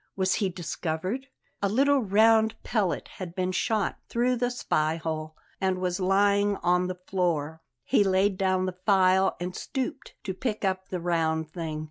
Was he discovered? A little round pellet had been shot through the spy hole and was lying on the floor. He laid down the file and stooped to pick up the round thing.